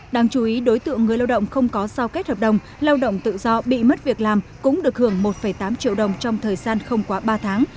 đáng chú ý đối tượng người lao động không có sao kết hợp đồng lao động tự do bị mất việc làm cũng được hưởng một tám triệu đồng trong thời gian không quá ba tháng